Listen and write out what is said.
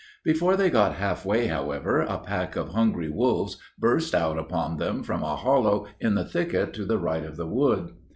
Before they got half way, however, a pack of hungry wolves, burst out upon them from a hollow in the thicket to the right of the wood.